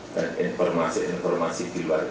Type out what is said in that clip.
dan informasi informasi di luar itu